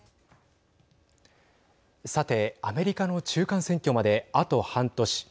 さて、アメリカの中間選挙まであと半年。